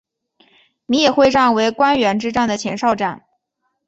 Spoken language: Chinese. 米野会战为关原之战的前哨战。